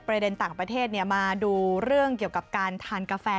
ต่างประเทศมาดูเรื่องเกี่ยวกับการทานกาแฟ